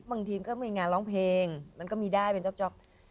บางทีก็มีงานร้องเพลงมันก็มีได้เป็นจ๊อก